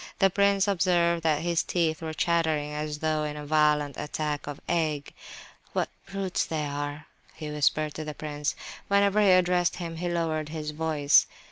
The prince observed that his teeth were chattering as though in a violent attack of ague. "What brutes they all are!" he whispered to the prince. Whenever he addressed him he lowered his voice.